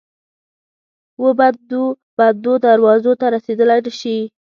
وبندو، بندو دروازو ته رسیدلای نه شي